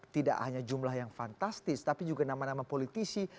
tidak hanya jumlah yang fantastis tapi juga nama nama politisi